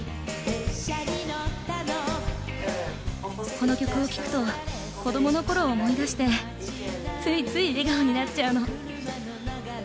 この曲を聴くと子供の頃を思い出してついつい笑顔になっちゃうの。